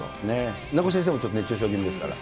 名越先生もちょっと熱中症気味ですから。